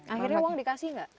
akhirnya uang dikasih tidak